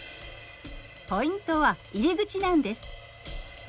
ポイントは入り口なんです。